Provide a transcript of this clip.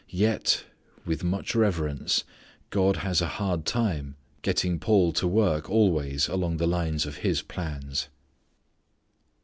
Yet (with much reverence) God has a hard time getting Paul to work always along the line of His plans.